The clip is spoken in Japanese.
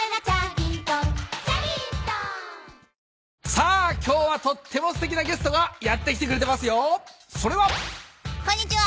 さあ今日はとってもすてきなゲストがやって来てくれてますよ。それは。こんにちは！